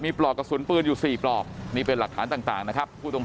ปลอกกระสุนปืนอยู่๔ปลอกนี่เป็นหลักฐานต่างนะครับผู้ต้อง